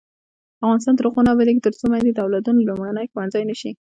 افغانستان تر هغو نه ابادیږي، ترڅو میندې د اولادونو لومړنی ښوونځی نشي.